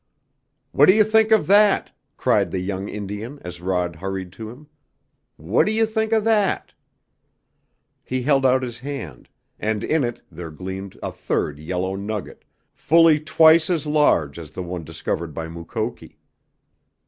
"What do you think of that?" cried the young Indian as Rod hurried to him. "What do you think of that?" He held out his hand, and in it there gleamed a third yellow nugget, fully twice as large as the one discovered by Mukoki!